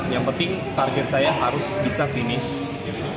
yang penting target saya harus bisa finish